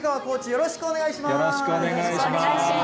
よろしくお願いします。